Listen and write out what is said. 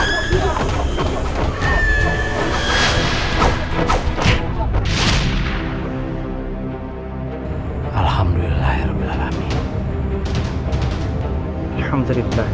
dan apabila kau meragam mudah kau akan menjadikan kesusahan menjadi kemudahan